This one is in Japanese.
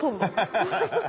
ハハハハ。